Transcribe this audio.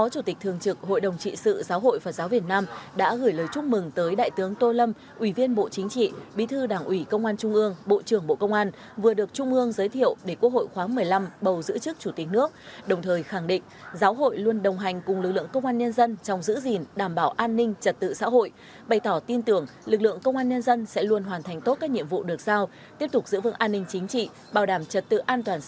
chủ tịch thường trực hội đồng trị sự giáo hội phật giáo việt nam đã gửi lời chúc mừng tới đại tướng tô lâm ủy viên bộ chính trị bí thư đảng ủy công an trung ương bộ trưởng bộ công an vừa được trung ương giới thiệu để quốc hội khoáng một mươi năm bầu giữ chức chủ tịch nước đồng thời khẳng định giáo hội luôn đồng hành cùng lực lượng công an nhân dân trong giữ gìn đảm bảo an ninh trật tự xã hội bày tỏ tin tưởng lực lượng công an nhân dân sẽ luôn hoàn thành tốt các nhiệm vụ được sao tiếp tục giữ vững an ninh chính trị bảo đảm trật tự an toàn x